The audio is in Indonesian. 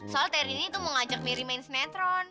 soal terry ini tuh mau ngajak merry main senetron